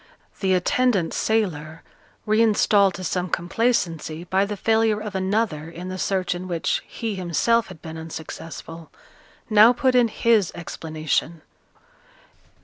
The attendant sailor, reinstalled to some complacency by the failure of another in the search in which he himself had been unsuccessful, now put in his explanation.